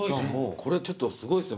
これちょっとすごいですよ